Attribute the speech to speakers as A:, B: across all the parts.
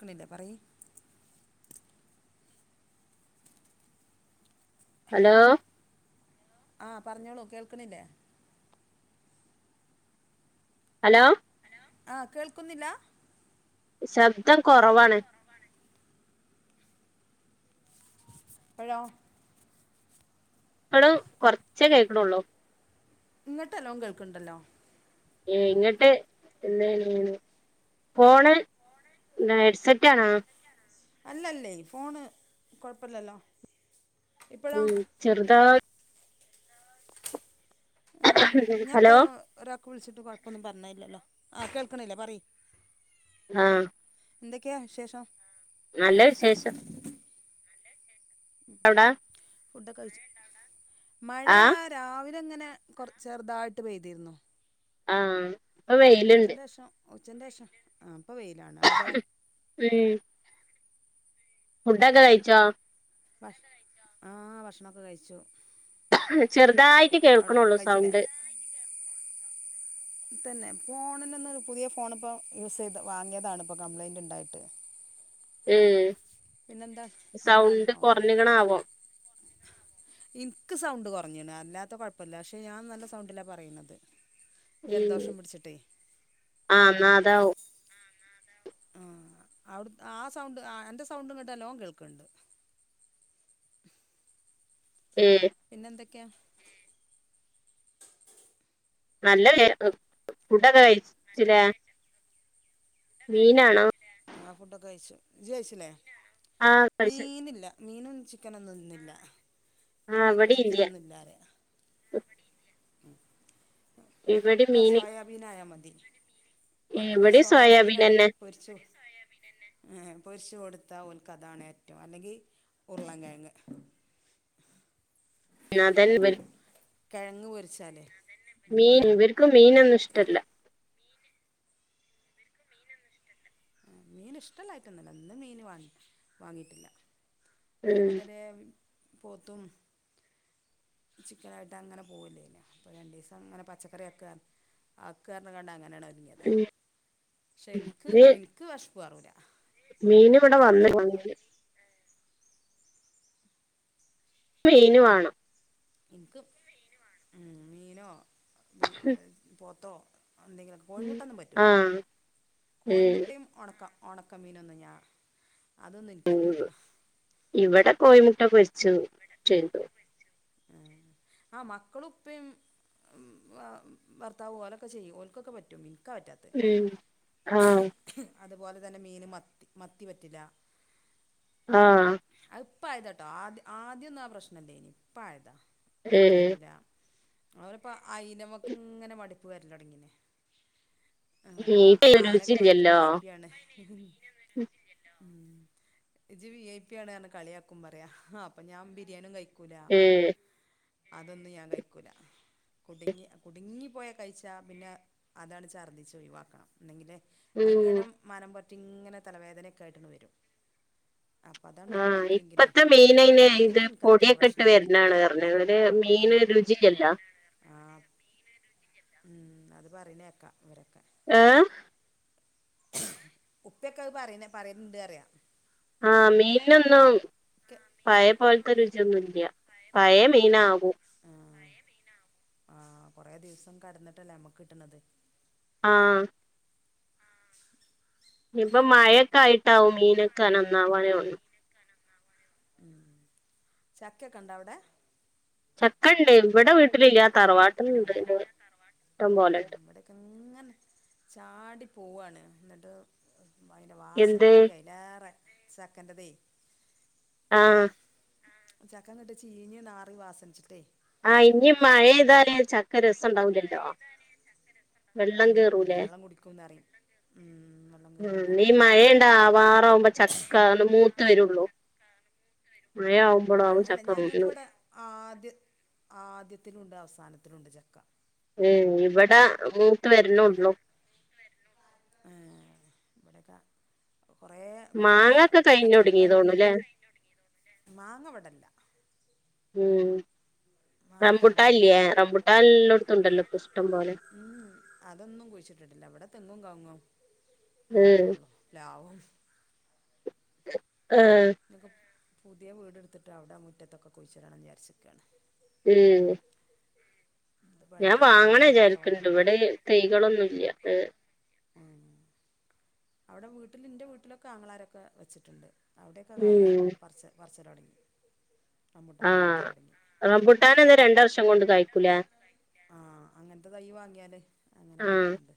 A: ഒന്നില്ല പറയ്
B: ഹലോ
A: ആ പറഞ്ഞോളൂ കേൾക്കണില്ലേ
B: ഹലോ
A: ആ കേൾക്കുന്നില്ല
B: ശബ്ദം കുറവാണ്
A: ഇപ്പഴോ
B: ഇപ്പളും കൊറച്ച കേൾക്കണുള്ളൂ
A: ഇങ്ങോട്ടല്ലോ കേൾക്കണ്ടല്ലോ
B: ഏ ഇങ്ങട്ട് എന്തെയന്ന് ഫോണ് എ ഹെഡ്സെറ്റ് ആണോ
A: അല്ലല്ലേ ഫോണ് കൊഴപ്പില്ലല്ലോ
B: ഉം ചെറുതായി
A: ഉം ഞാപ്പൊ
B: ഹലോ
A: ഒരാ വിളിച്ചിട്ട് കൊഴപ്പൊന്നും പറഞ്ഞല്ലല്ലോ ആ കേൾക്കണില്ലേ പറയ്
B: ആ
A: എന്തൊക്കെയാ വിശേഷം
B: നല്ല വിശേഷം എവിടാ
A: ഫുഡ ഒക്കെ കഴിചോ. മഴ ഉണ്ടോ അവിടെ.
B: ആഹ്
A: മഴ രാവിലെ ഇന്നങ്ങനെ കൊറ ചെറുതായിട്ട് പെയ്തന്നു
B: ആ
A: ഇപ്പൊ ഉച്ചന്റെ ശേഷം ഉച്ചന്റെ ശേഷം ആ ഇപ്പ വെയിലാണ് അവിടെ
B: ഫുഡക്കെ കഴിച്ച
A: ഭക്ഷണക്കെ കഴിച്ചോ. ആ ഭക്ഷണംക്കെ കഴിച്ചു
B: ചെറുതായിട്ട്
A: അവിടെ
B: കേൾക്കണള്ളു
A: കഴിച്ചില്ലേ
B: സൗണ്ട്
A: തന്നെ ഫോണിൽന്ന പുതിയ ഫോണ ഇപ്പോ യൂസ് ചെയ്ത് വാങ്ങിയതണിപ്പോ കംപ്ലൈന്റ് ഉണ്ടായിട്ട്
B: ഉം
A: പിന്നെ എന്താ
B: സൗണ്ട്
A: എന്താണോ അതെ
B: കുറഞ്ഞിക്കണാവോ
A: ഇനിക്ക് സൗണ്ട് കുറ കുറഞ്ഞതണ് അല്ലാത്ത കുഴപ്പമില്ല പക്ഷെ ഞാൻ നല്ല സൗണ്ടില്ല പറയുന്നത്
B: ഉ
A: ജലദോഷം പിടിച്ചിട്ടേ
B: ആന്നാ അതാവും
A: ആ അവി ആ സൗണ്ട് എന്റെറെ സൗണ്ട് ഇങ്ങട്ട നല്ലോം കേൾക്കണ്ട്
B: [unintelligible] ഉം
A: ക്കെ ഉം
B: നല്ല ഫുഡൊക്കെ കഴിച്ചില്ലേ മീനാണോ
A: ആ ഫുഡൊക്കെ അയച്ചു ഇജി കയച്ചില്ലേ
B: ആ കഴിച്ചു
A: മീനും ചിക്കനൊന്നുംന്നില്ല ഇന്ന്
B: ആഹ്
A: മീനും
B: ഇവിടെ ഇല്ല
A: ചിക്കനൊന്നും ഇല്ലാല മക്കക്ക്
B: ഇവിടെ
A: ഒക്കെ
B: മീന്
A: സോയാബീൻ ആയാ മതി അവർക്കൊക്കെ സോയാബീന ആണ് പൊരിച്ചു കൊടുക്കുന്നത്
B: ഉ
A: പൊരിച്ച് കൊടുത്ത ഓർക്ക് അതാണ് ഏറ്റവും ഇഷ്ടംഅല്ലെങ്കിൽ ഉരുളൻകഴങ്ങ്
B: ആതന്നെ ബ
A: കിഴങ്ങ് പൊരിച്ചാലേ ഉം
B: മീൻ
A: ഉം
B: ഇവർക്ക്മീനൊന്നും ഇഷ്ടല്ല
A: മീൻ ഇഷ്ടമല്ലായിട്ടൊന്നുമല്ല ഒന്നും മീൻ വാങ്ങിയിട്ടില്ല പിന്നെ
B: ഉം
A: മുതൽ പോത്തും ചിക്കൻ കറിയായിട്ട് അങ്ങനെ പോവൂല്ലനെ അപ്പൊ രണ്ട ദിവസം അങ്ങനെ പച്ചക്കറി ഒക്ക ആകക്കി കണ്ടങ്ങനെ തുങ്ങിയത്
B: ഉം
A: പക്ഷെ എനിക്ക്
B: ഇത്
A: എനിക്ക് വിശപ്പ് കേറൂല
B: മീൻ ഇവിടെ വന്നില്ല ഇന്ന് മീന് വേണം
A: ഇനിക്ക് ഉ മീനോ പോത്തോ എന്തെങ്കിലൊക്കെ കോഴിമുട്ട ഒന്നും പറ്റില്ല
B: ആഹ് ഉം
A: കോഴിമുട്ടയും ഉണക്കാം ഉണക്കമീനൊന്നു ഞാൻ അതൊന്നും എനിക്ക് പറ്റൂല
B: ഇവിടെ കോയിമുട്ട പൊരിച്ചു ചെയ്തു [unintelligible]
A: ആ മക്കളും ഉപ്പയുംഭർത്താവു ഓലൊക്കെ ചെയ്യും ഓലക്കൊക്കെ പറ്റും ക്കപറ്റാത്തെ
B: ഉം ആഹ്
A: അതുപോലെ തന്നെ മീന് മത്തി മത്തി പറ്റില്ല
B: ആഹ
A: ഇപ്പ ആയതാ കേട്ടോ ആദ്യ ആദ്യമൊന്നും ആ പ്രശ്നമേ ഇല്ലേ ഇനി ഇപ്പ ആയതാ മത്തി
B: ഏഹ്
A: പറ്റൂല അവരിപ്പോ അയിനവക്കും ഇങ്ങനെ മടിപ്പ വരില്ല തുടങ്ങനെ അപ്പൊ
B: ഇത്
A: ആങ്ങളെയൊക്കെ പറഞ്ഞു വി
B: രുചിയില്ലല്ലോ
A: ഐ പി ആണ് ഇജ്ജ് വി ഐ പി ആണ് പറഞ്ഞെ കളിയാക്കും പറയാ അപ്പ ഞാൻ ബിരിയാണിയും കഴിക്കും
B: ഉം
A: അതൊന്നും ഞാൻ കഴിക്കൂല കുടുങ്ങി കുടുങ്ങിപ്പോയ കഴിച്ചാൽ പിന്നെ അതാണ് ഛർദ്ദിച്ച ഒഴിവാക്കണം എന്നെങ്കേ
B: ഉം
A: അങ്ങനെ മനം പുരട്ടി ഇങ്ങനെ തലവേദന ഒക്കെ ആയിട്ട് വരും അപ്പം അതാണ്
B: ആഹ
A: ഒഴിവാക്കിയെങ്കിലേ
B: ഇപ്പത്തെ മീനെ ഇത്
A: മന്തിക്ക് എനിക്ക് അത്ര
B: പൊടിയൊക്കെ ഇട്ട്
A: പ്രശ്നമല്ല
B: വരുന്നാണ് പറഞ്ഞത് മീൻ രുചിയില്ലലാ
A: ആ ഉം അത് പറയുന്നേക്കാം ഇവരക്ക
B: ഹ
A: ഉപ്പയൊക്കെ അത് പറയുന്ന പറയുന്നുണ്ട് അറിയ
B: ആഹ മീനൊന്നും പഴയ പോലത്തെ രുചിയൊന്നുഇല്ല പയേ മീന ആകൂ
A: ആ ആ കൊറെേ ദിവസം കഴ്ഞ്ഞിട്ടല്ലേ നമ്മക്ക് കിട്ടണത്
B: ആഹ ഇപ്പൊ മഴൊക്കെ ആയിട്ടാവും മീനൊക്കെ അ നന്നാവാനെു
A: ഉം ചക്ക ഒക്കെ ഒണ്ടോ അവിടെ
B: ചക്കണ്ട് ഇവിടെ വിടിലില്ല പോലെണ്ട്
A: ഇവിടെകേ ഇങ്ങനെ ചാടി പോവാണ് എന്നിട്ട് അതിന്റെ
B: എന്ത്
A: വാസനയാണെങ്കിൽ അതിലേറെ ചക്കേന്റതേ
B: ആഹ്
A: ചക്കങ്ങട്ട് ചീഞ്ഞ് നാറി വാസനിച്ചിട്ടേ
B: ആഹ് ഇനി മഴ പെയ്താല് ചക്ക രസം ഉണ്ടാവുലല്ലോ വെള്ളം
A: ഉം
B: കേറൂലേ
A: വള്ളം കുടിക്കുംന്നറിയും ഉം വെള്ളം
B: ഉമ് ഈ
A: കേറുംന്നറിയും
B: മഴണ്ടാവാ ണ്ടാവുമ്പോ ചക്ക ന്ന് മൂത്ത വരുള്ളൂ മഴ
A: ആഹ്
B: ആവുമ്പോളാവും
A: അല്ല
B: ചക്ക വീണ്
A: ഞങ്ങൾക്കിവിടെ ആദ്യ ആദ്യത്തിലുണ്ട് അവസാന ത്തിലുണ്ട് ചക്ക
B: ഇമ് ഇവിടെ മൂത്ത് വരണുള്ളു
A: ഇവിടക്ക
B: മാങ്ങൊക്കെ കഴിഞ്ഞൊടുങ്ങി തോന്നണുല്ലേ
A: മാങ്ങ ഇവിടില്ല
B: റംബുട്ടല്ലിയേ റംബുട്ട എല്ലടത്തണ്ടല്ലോ ഇപ്പം ഇഷ്ടം പോലെ
A: അതൊന്നും കുഴിച്ചിട്ടിട്ടില്ല ഇവിടെ തെങ്ങും കങ്ങും
B: ഉം
A: മാത്രമേ ഉള്ളൂ പ്ലാവും
B: ആഹ്
A: ഇതൊക്കെ പുതിയ വീടെടുത്തിട്ട് അവിടെ ആ മുറ്റത്തൊക്കെ കുഴിച്ചു ഇടാമെന്ന് വിചാരിരിക്കിക്കുകയാണ്
B: ഉമ്
A: ഇത്
B: ഞാൻ
A: പഴയ
B: വാങ്ങണ
A: വീടാണ്
B: വിചാരിക്കണ്ണ്ണ്ട്‌
A: തറവാടാണ്
B: ഇവിടെ തൈകൾ ഒന്നുല്ല എങ്
A: ഉം. അവിടെ വീട്ടിൽ എന്റെ വീട്ടിലൊക്കെ ആങ്ങളാരൊക്കെ വെച്ചിട്ടുണ്ട് അവിടെയൊക്കെ കായ
B: ഉം
A: പറിച്ച പറിച്ച് തുടങ്ങി റംബൂട്ടാൻ
B: ആഹ്
A: പറിക്കൽ തുടങ്ങി
B: റംബുട്ടാനക്കേ രണ്ട് വർഷം കൊണ്ട് കായിക്കൂല
A: ആഹ് അങ്ങനത്തെ തൈ വാങ്ങിയാൽ അങ്ങനെ
B: ആഹ്
A: കായിക്കണ്ട്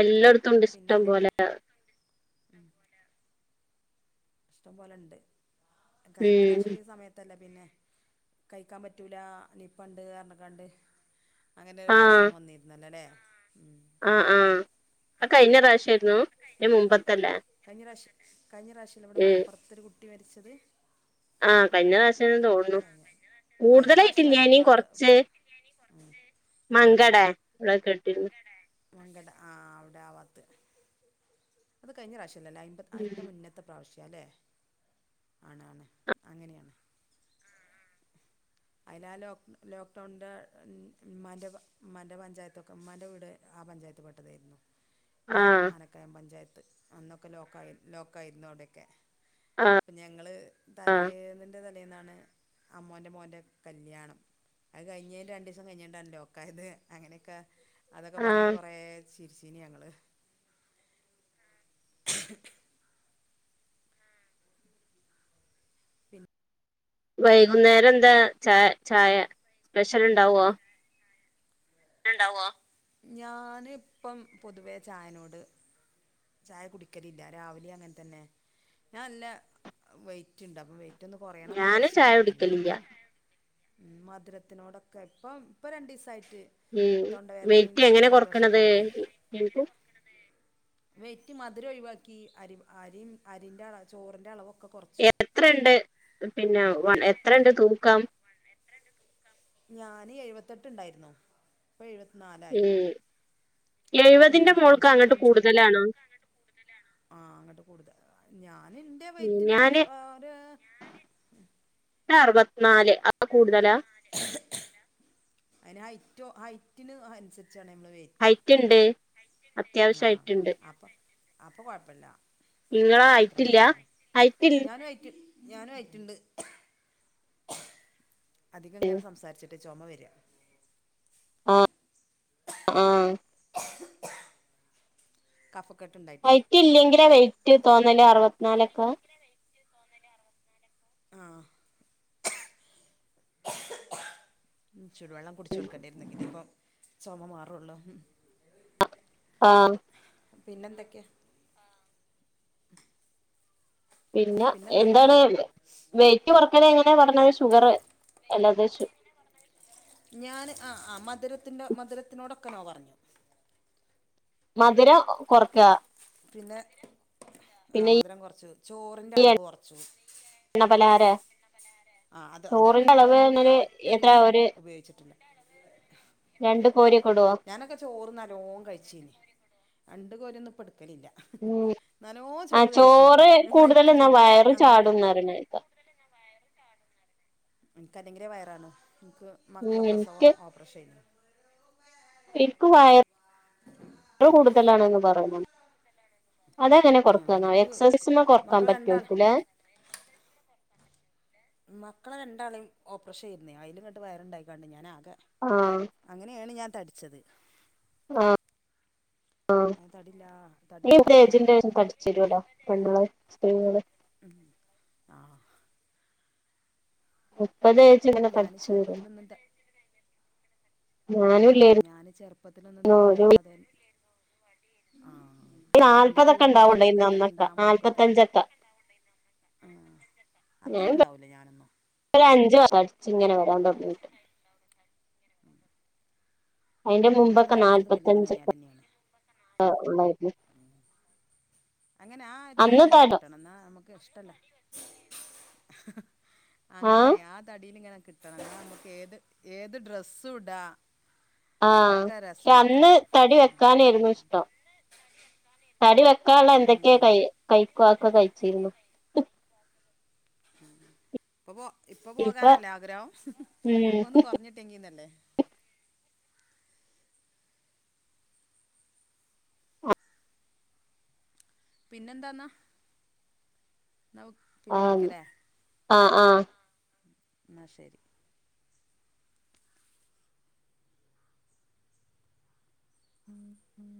B: എല്ലായിടത്തുംണ്ട് ഇഷ്ടം പോലെ
A: ഇഷ്ടം പോല ഇഷ്ടം പോലണ്ട് കഴിഞ്ഞ
B: ഉം
A: പ്രാവശ്യം ഈ സമയത്തല്ലേ പിന്നെ കഴിക്കാൻ പറ്റൂല നിപ്പണ്ട് പർഞ്ക്കാണ്ട് അങ്ങനെ ഒരു പ്രശ്നം വന്നിരുന്നല്ലോ ല്ലേ
B: ആ ആ ആ കഴിഞ്ഞ പ്രാവശ്യ
A: കഴിഞ്ഞ പ്രാവശ്യ ആയിരുന്നു കഴിഞ്ഞ പ്രാവശല്ലേ കഴിഞ്ഞ പ്രാവശല്ല ഇവിടെ മലപ്പുറത്തൊരു കുട്ടി മരിച്ചത്
B: ആ കഴിഞ്ഞ പ്രാവശ്യന്ന് തോന്നുന്നു
A: കഴിഞ്ഞ കഴിഞ്ഞ പ്രാവശ്യം
B: കൂടുതലായിട്ടില്ല്യാ
A: അതിൻ്റെ
B: ഞ്
A: പ്രാത്ത
B: കൊറച്ച്
A: ആ
B: മങ്കടെ ആ കേട്ടിരുന്നു
A: മങ്കട ആ അവിടെ ആ വാത്ത് അത് കഴിഞ്ഞ പ്രാശം അതിന്റെ അതിന്റെ
B: ഉം
A: മുന്നത്തെ പ്രാവശ്യം ല്ലേ ആണ് ആണ് അങ്ങനെയാണ് അതില ആ ലോ ലോക്ക്ഡൌണിന്റെ മ്മാന്റെ മ്മാന്റെ പഞ്ചായത്തൊക്കെ ഉമ്മാന്റെ വീട് ആ പഞ്ചായത്ത് പെട്ടതേരുന്നു
B: ആഹ്
A: ആനക്കായം പഞ്ചായത്ത് അന്നൊക്കെ ലോക്കായി ലോക്കായിരുന്നു അവിടെക്കെ
B: ആഹ്
A: അപ്പ ഞങ്ങള്
B: ആഹ്
A: തലേന്നിന്റെ തലേ ന്നാണ് അമ്മോൻ്റെ മോൻ്റെ കല്ല്യാണം അത് കഴിഞ്ഞേന്റെ രണ്ടീസം കഴിഞ്ഞിട്ടാണ് ലോക്കായത് അങ്ങനെക്ക അതൊക്കെ പറഞ്ഞ്
B: ആഹ്
A: കൊറെ ചിരിച്ചീന് ഞങ്ങള് [inaudible] പിന്നെ
B: വൈകുന്നേരം എന്താ ചായ ചായ സ്പെഷ്യൽ ണ്ടാവോ
A: ഞാന് പ്പം പൊതുവേ ചായനോട് ചായ കുടിക്കലില്ല രാവിലെ അങ്ങനെ തന്നെ ഞാൻ നല്ല വെയ്റ്റ് ണ്ട് അപ്പൊ വെയ് റ്റ് ഒന്ന് കുറയണന്ന്
B: ഞാനും
A: വിചാരിച്ചിട്ട്
B: ചായ
A: നല്ല
B: കുടിക്കലില്ല
A: വെയ് മധുരത്തിനോടൊക്കെ ഇപ്പം ഇപ്പ രണ്ടീസായിട്ട്
B: ഉം വെയിറ്റെങ്ങനെ കൊറക്കണത്
A: ആയിട്ടേ തിരി ഒഴിവാക്കി അരി അരി അരിൻ്റെ അള ചോറിൻ്റെ അള
B: എത്രണ്ട്. പിന്നെ എത്ര ഉണ്ട് തൂക്കാം?
A: ഞാന്. എഴുപത്തെട്ട് ഉണ്ടായിരുന്നു.
B: ഉം
A: എഴുപത്തി
B: എഴുപതിന്റെ മോൾക്ക് അങ്ങോട്ട് കൂടുതലാണോ?
A: [unintelligible] ആഹ അങ്ങോട്ട് കൂടുത, ഞാന എന്റെ വെറ്റിന് ഞാനി ഞാന്
B: [inaudible] നാല് ആ [unintelligible] കൂടുതലാ?
A: അതിന് ഹൈറ്റോ ഹൈറ്റിന് അനുസരി
B: ഹൈറ്റ്. ഉണ്ട് അത്യാവശ്യം
A: ആഹ്
B: ഹൈറ്റ്ണ്ട്
A: അപ്പൊ അപ്പൊ കുഴപ്പല്ല.
B: നിങ്ങെള. ആയിറ്റില്ല ആയിറ്റി
A: ഞാനു ആയിറ്റുണ്ട്. അധികം ഇങ്ങനെ സംസാരിച്ചിട്ട് ചുമ വെരെ.
B: ആ
A: കഫം
B: വൈറ്റ് ഇല്ലെങ്കിലാ, വെറ്റ് തോന്നല് അറുപത്തിനാലൊക്കെ
A: ആ ചുടുവെള്ളം കുടിച്ച്കൊടുക്കേണ്ടിരു ന്നെങ്കിലെഇപ്പ, ചുമ മാറുള്ളൂ.
B: ആ
A: പിന്നെന്തൊക്കെ?
B: പിന്നെ എന്താണ്? വെയ്റ്റ് കൊറക്കലെ എങ്ങനെ പറഞ് ഷുഗറ് എല്ലാത, ഷു
A: ഞാന് ആ ആ മധുരത്തിന്റെ മധുരത്തിനോടൊക്കെ, നോ പറഞ്ഞു.
B: മധുരം കൊറക
A: പിന്നെ ആ മധുരം കെറച്ചു, ചോറിന്റെ
B: ഈ
A: അളവ് കെറച്ചു.
B: എണ്ണ പലഹാര
A: ആ അത് അതൊന്നും,
B: ചോറിന്റെ അളവ്
A: നോമ്പിന്
B: എന്നല്
A: ഒറ്റ
B: എത്ര
A: ദിവസം
B: ഒരു
A: ഉപയോഗിച്ചിട്ടില്ല.
B: രണ്ട് കോരിയൊക്കെ ഇടുവോ
A: ഞാനൊക്കെ ചോറ് നലോം കഴിച്ചനി രണ്ട് കോരി ഒന്ന് ഇപ്പം ഇ
B: ഉ. ആ ചോറ്
A: കഴിച്ചിരുന്നു ഒരു
B: കൂടുതൽ
A: പ്ലേറ്റ്
B: എന്നാ
A: ചോറ്
B: വയറ്
A: അങ്ങനെ
B: ചാടുംണറിണ്ടേക്ക.
A: എനിക്കല്ലെങ്കില വയറാണ് എനിക്ക് മക്കളെ
B: ഉം
A: പ്രസവം
B: എനിക്ക്
A: ഓപ്പറേഷൻ അയ്നി.
B: എനിക്ക് വയറ് ഉ അത അങ്ങനെ
A: ആഹ്
B: കൊറക്കന്നോ,
A: എനിക്ക്
B: എക്സസൈസിമേൽ, കൊറക്കാൻ
A: മക്കളെ രണ്ടാള്
B: പറ്റോയ്കുലെ.
A: മക്കളെ രണ്ടാളെയും ഓപ്പറേഷൻ [unintelligible] യ്നി വയറണ്ടായിക്കാണ്ട് ഞാൻ
B: ആഹ്
A: അങ്ങനെയാണ് ഞാൻ തടിച്ചത്.
B: ആ ആ
A: ഞാൻ തടില്ലാ തടില്ലാത്തൊരാളായിരുന്നു
B: [unintelligible] പെണ്ണള് സ്ത്രീകള്. [inaudible]
A: ആഹ്
B: മുപ്പത് ഏജ് ഇങ്ങനെ
A: ഞാന്
B: തടിച്ചൂ വരും.
A: ചെറുപ്പത്തിലൊന്നും ത ഉം, ഞാന് ചെറുപ്പത്തിനൊന്നും
B: ഒരു
A: തടിലാതെ. എടി. ആഹ
B: [unintelligible] താല്പതെക്കെ ഉണ്ടാവുണ്ട, ഒന്നക്ക
A: മൂക്കത്ത്
B: നാല്പത്തഞ്ചൊക്കെ.
A: ആ
B: ഞ
A: അത്രയും ഉണ്ടാവൂല ഞാനൊന്നും
B: ഒരു അഞ്ച് വ ച്ച്ങ്ങനെ വരാൻ തോന്നിട്ട്. അതിന്റെ
A: ഞാന്
B: മുമ്പൊക്കെ
A: തടിച്ചത് കല്യാണം
B: നാല്പത്തഞ്ചക്കെ
A: കഴിഞ്ഞാരെന്നെയാണ്
B: ഉണ്ടാരുന്നു.
A: അങ്ങനെ ആ ഒരു ദി ന് ഇങ്ങനെ കിട്ടണം എന്നാ നമുക്ക് ഇഷ്ടല്ലേ. അങ്ങനെ ആ തടിൽങ്ങനെ കിട്ടണം. നമുക്ക് ഏത് ഏത് ഡ്രെസ്സും ഇടാ.
B: ആ
A: ഒക്കെ
B: [unintelligible]
A: രസേയ്ക്കാരം
B: അന്ന്തടി വെക്കാനായിരുന്നു ഇഷ്ടം തടി വെ [unintelligible] എന്തൊക്കെയാ
A: ഉം
B: ക കഴിക്കക്കെ കഴിച്ചിരുന്നു.
A: ഇപ്പോ ഇപ്പോ
B: ഇപ്പൊ
A: പോകാനല്ലേ ആഗ്രഹം? ഇപ്പോ
B: ഉം
A: ഒന്ന് കുറഞ്ഞിട്ടെങ്കിൽന്നല്ലേ.
B: ആ
A: പിന്നെന്താന്നാ? എന്നാ പിന്നെ വിളിക്ക ലേ
B: ആ ആ
A: ന്ന ശെരി ഉം ഉം